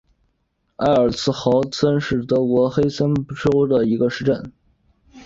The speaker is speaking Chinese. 埃尔茨豪森是德国黑森州的一个市镇。